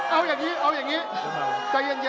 เอาอย่างงี้ใจเย็น